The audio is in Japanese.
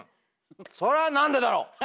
それはなんでだろう！